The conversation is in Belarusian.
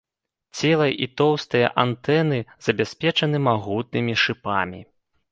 Цела і тоўстыя антэны забяспечаны магутнымі шыпамі.